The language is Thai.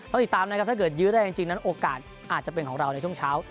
ต้องติดตามนะครับถ้าเกิดยื้อได้จริงนั้นโอกาสอาจจะเป็นของเราในช่วงเช้า